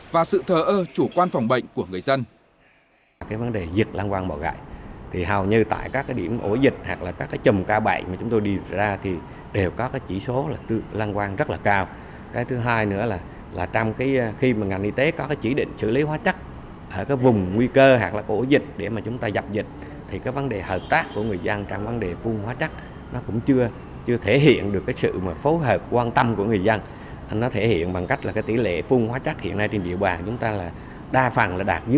và sự thờ ơ chủ quan phòng bệnh của người dân